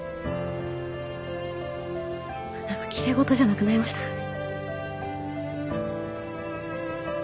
何かきれい事じゃなくなりましたかね。